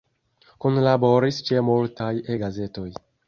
Kunlaboris ĉe multaj E-gazetoj.